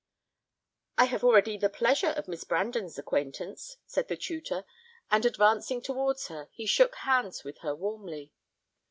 "I have already the pleasure of Miss Brandon's acquaintance," said the tutor; and advancing towards her, he shook hands with her warmly.